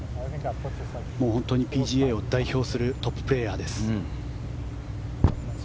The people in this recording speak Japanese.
もう本当にＰＧＡを代表するトッププレーヤーです。